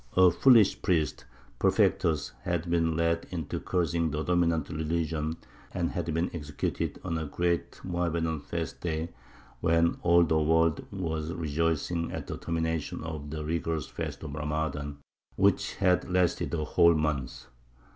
A foolish priest, Perfectus, had been led into cursing the dominant religion, and had been executed on a great Mohammedan feast day, when all the world was rejoicing at the termination of the rigorous fast of Ramadan, which had lasted a whole month.